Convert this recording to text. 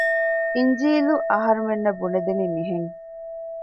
އިންޖީލު އަހަރުމެންނަށް ބުނެދެނީ މިހެން